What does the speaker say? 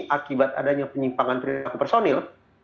akibat adanya penyimpangan perilaku personil